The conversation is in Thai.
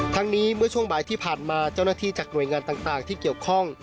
ทั้งนี้เมื่อช่วงบ่ายที่ผ่านมาเจ้าหน้าที่จากหน่วยงานต่างที่เกี่ยวข้อง